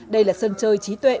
đây là sân chơi trí tuệ